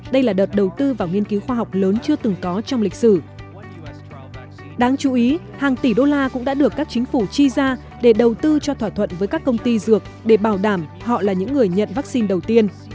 đáng chú ý hàng tỷ đô la cũng đã được các chính phủ chi ra để đầu tư cho thỏa thuận với các công ty dược để bảo đảm họ là những người nhận vaccine đầu tiên